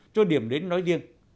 cho điểm đến nói riêng